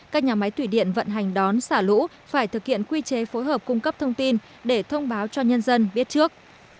các nhà máy thủy điện vận hành đón xả lũ phải thực hiện quy chế phối hợp cung cấp thông tin để thông báo cho nhân dân biết trước